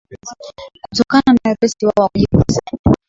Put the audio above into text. kutokana na wepesi wao wa kujikusanya